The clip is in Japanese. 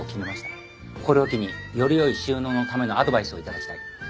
これを機により良い収納のためのアドバイスを頂きたい。